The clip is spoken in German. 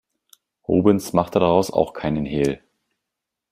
Rubens machte daraus auch keinen Hehl.